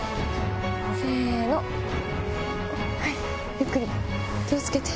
ゆっくり気を付けて。